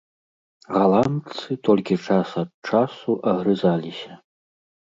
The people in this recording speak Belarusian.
Галандцы толькі час ад часу агрызаліся.